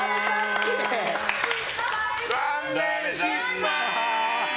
残念、失敗！